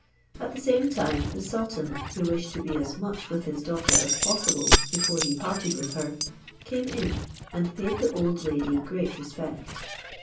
At the same time the sultan, who wished to be as much with his daughter as possible before he parted with her, came in and paid the old lady great respect.